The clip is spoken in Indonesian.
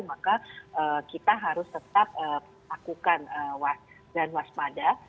maka kita harus tetap lakukan dan waspada